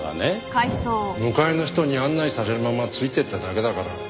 迎えの人に案内されるままついて行っただけだから。